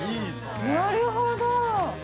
なるほど。